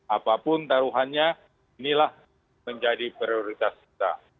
apapun taruhannya inilah menjadi prioritas kita